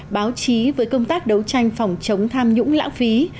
báo chí với công tác đấu tranh phòng chống tham nhũng lãng phí